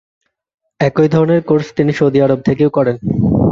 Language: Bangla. একই ধরনের কোর্স তিনি সৌদি আরব থেকেও করেন।